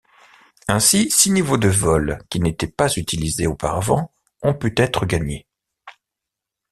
Ainsi, six niveaux de vol qui n'étaient pas utilisés auparavant ont pu être gagnés.